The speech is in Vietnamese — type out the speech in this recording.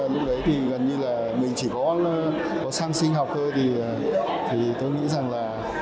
lúc đấy thì gần như là mình chỉ có săn sinh học thôi thì tôi nghĩ rằng là